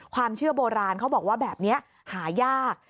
ความเชื่อโบราณเขาบอกว่าแบบนี้หายาก